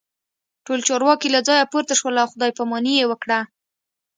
ټول چارواکي له ځایه پورته شول او خداي پاماني یې وکړه